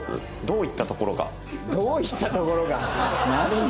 「どういったところが？」なんだ？